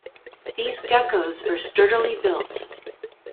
These geckos are sturdily built.